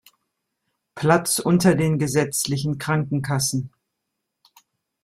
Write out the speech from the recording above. Platz unter den gesetzlichen Krankenkassen.